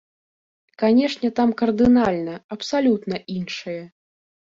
Канешне, там кардынальна, абсалютна іншае.